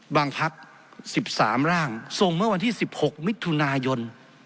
บางภักดิ์๑๓ร่างทรงเมื่อวันที่๑๖มิถุนายน